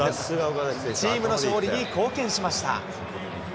チームの勝利に貢献しました。